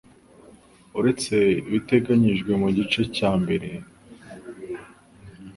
Uretse ibiteganyijwe mu gice cya mbere cy'igika cya cy'iyi ngingo